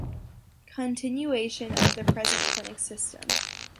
Continuation of the present clinic system.